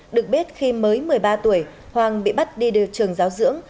được biết khi mới một mươi ba tuổi hoàng bị bắt đi trường giáo dưỡng